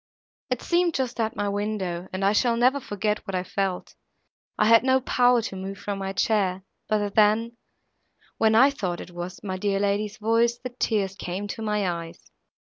It seemed just at my window, and I shall never forget what I felt. I had not power to move from my chair, but then, when I thought it was my dear lady's voice, the tears came to my eyes.